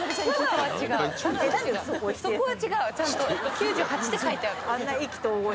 「９８」って書いてある。